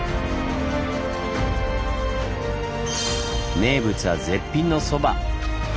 名物は絶品のそば！